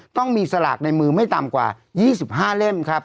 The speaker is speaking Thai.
ต้องมีสลากในมือไม่ต่ำกว่า๒๕เล่มครับ